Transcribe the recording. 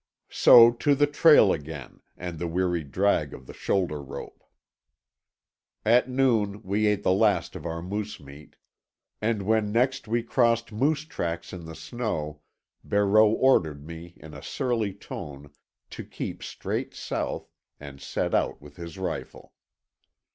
So to the trail again, and the weary drag of the shoulder rope. At noon we ate the last of our moose meat, and when next we crossed moose tracks in the snow, Barreau ordered me in a surly tone to keep straight south, and set out with his rifle.